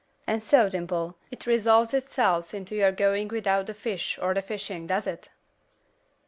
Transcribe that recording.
And so, Dimple, it resolves itself into your going without the fish or the fishing, does it?"